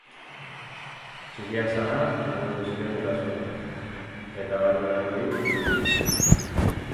Txikia zela banandu ziren gurasoak, eta abandonaturik utzi zuten.